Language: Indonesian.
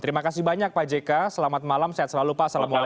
terima kasih banyak pak jk selamat malam sehat selalu pak assalamualaikum